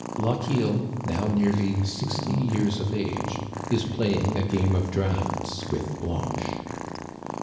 Lochiel, now nearly sixty years of age, is playing a game of draughts with Blanche.